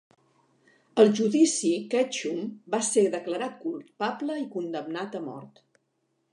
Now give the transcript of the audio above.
Al judici, Ketchum va ser declarat culpable i condemnat a mort.